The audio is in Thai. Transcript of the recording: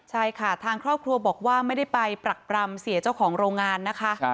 ใช่ค่ะทางครอบครัวบอกว่าไม่ได้ไปปรักปรำเสียเจ้าของโรงงานนะคะ